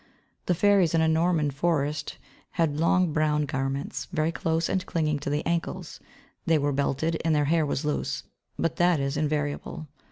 The fairies in a Norman forest had long brown garments, very close and clinging, to the ankles. They were belted, and their hair was loose. But that is invariable.